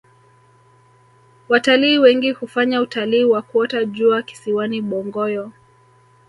watalii wengi hufanya utalii wa kuota jua kisiwani bongoyo